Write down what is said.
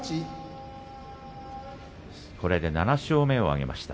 これで７勝目を挙げました。